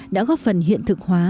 đã góp phần hiện thực hóa